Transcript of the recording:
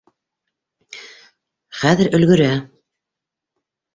— Хәҙер өлгөрә.